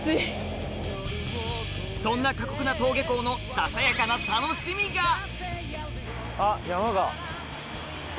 そんな過酷な登下校のささやかな楽しみが！